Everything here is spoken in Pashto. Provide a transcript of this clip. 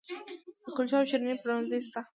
د کلچو او شیریني پلورنځي شته